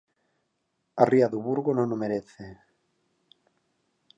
A Ría do Burgo non o merece.